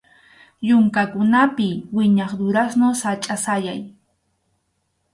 Yunkakunapi wiñaq durazno sachʼa sayay.